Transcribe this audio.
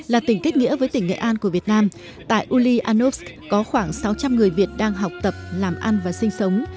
là tỉnh kết nghĩa với tỉnh nghệ an của việt nam tại ulyanovsk có khoảng sáu trăm linh người việt đang học tập làm ăn và sinh sống